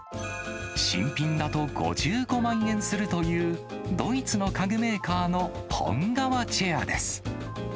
新品だと５５万円するという、ドイツの家具メーカーの本革チェアです。